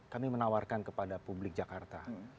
kami menawarkan kepada publik jakarta